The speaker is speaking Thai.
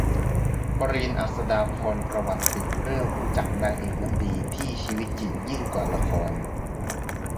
กรีน อัษฎาพร ประวัติ สิบ เรื่องรู้จักนางเอกน้ำดี ที่ชีวิตจริงยิ่งกว่าละคร